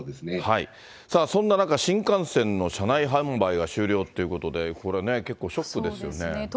そんな中、新幹線の車内販売が終了ということで、これね、結構ショックですそうですね。